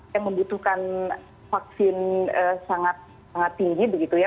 yang membutuhkan vaksin sangat sangat tinggi begitu ya